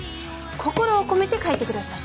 心を込めて書いてください。